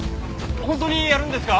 本当にやるんですか？